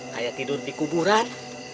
kayak tidur di kuburan